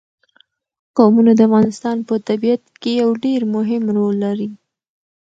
قومونه د افغانستان په طبیعت کې یو ډېر مهم رول لري.